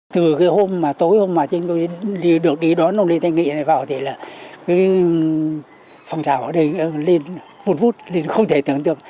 từ cái hôm mà tối hôm mà chúng tôi được đi đón ông lê thanh nghị này vào thì là cái phòng trào ở đây lên vụt vút không thể tưởng tượng